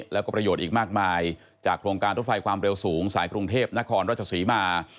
แล้วก็ประโยชน์อีกมากมายจากโครงการรถไฟความเร็วสูงสายกรุงเทพนครราชศรีมา